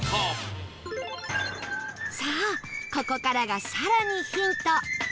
さあここからが更にヒント